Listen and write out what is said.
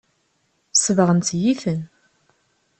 Sebɣent-iyi-ten.